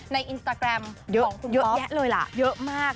อินสตาแกรมของคุณเยอะแยะเลยล่ะเยอะมาก